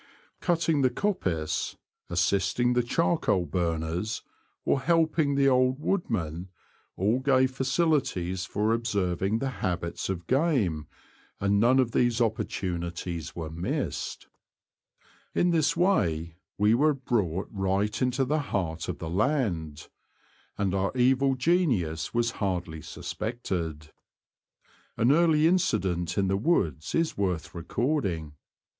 Cutting the coppice, assisting the charcoal burners, or helping the old woodman — all gave facilities for observing the habits of game, and none of these opportunities were missed. In The Confessions of a Poacher. 27 this way we were brought right into the heart of the land, and our evil genius was hardly suspected. An early incident in the woods is worth recording.